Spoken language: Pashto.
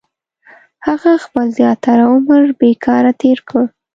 • هغه خپل زیاتره عمر بېکاره تېر کړ.